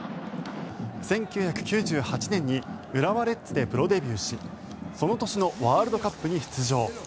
１９９８年に浦和レッズでプロデビューしその年のワールドカップに出場。